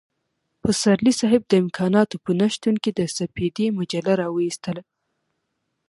پسرلی صاحب د امکاناتو په نشتون کې د سپېدې مجله را وايستله.